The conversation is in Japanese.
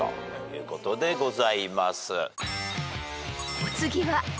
［お次は］